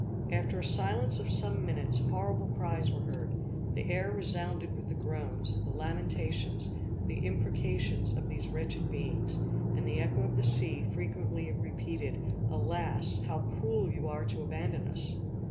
After a silence of some minutes, horrible cries were heard; the air resounded with the groans, the lamentations, the imprecations of these wretched beings, and the echo of the sea frequently repeated, alas! how cruel you are to abandon us!!!